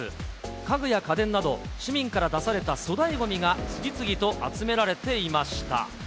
家具や家電など、市民から出された粗大ごみが次々と集められていました。